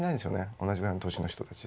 同じぐらいの年の人たちで。